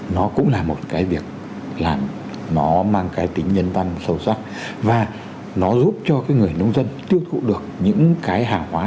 nó cũng là một cái việc làm nó mang cái tính nhân văn sâu sắc và nó giúp cho cái người nông dân tiêu thụ được những cái hàng hóa